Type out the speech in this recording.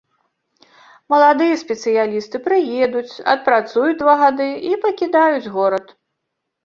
Маладыя спецыялісты прыедуць, адпрацуюць два гады і пакідаюць горад.